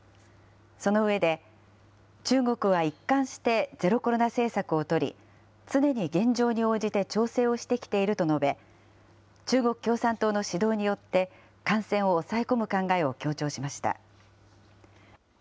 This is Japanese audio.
その上で、中国は一貫してゼロコロナ政策を取り、常に現状に応じて調整をしてきていると述べ、中国共産党の指導によって感染を抑え込む考えを強調しました。